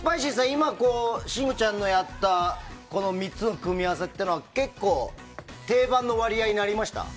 今、信五ちゃんがやった３つの組み合わせは結構、定番の割合になりました？